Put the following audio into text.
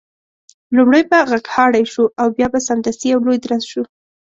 لومړی به غږهارۍ شو او بیا به سمدستي یو لوی درز شو.